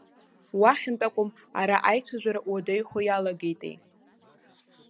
Уахьынтә акәым, ара аицәажәара уадаҩхо иалагеитеи.